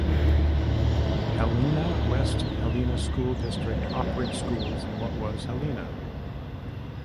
Helena-West Helena School District operates schools in what was Helena.